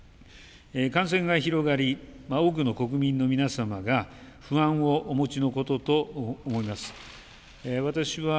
感染が広がり、多くの国民の皆様が不安をお持ちのことと思います。